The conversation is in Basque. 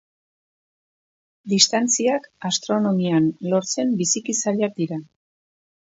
Distantziak, astronomian, lortzen biziki zailak dira.